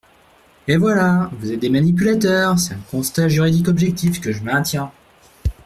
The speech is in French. Et voilà ! Vous êtes des manipulateurs ! C’est un constat juridique objectif, que je maintiens.